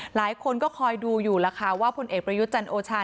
หลายคนก็คอยดูอยู่แล้วค่ะว่าผลเอกประยุทธ์จันโอชา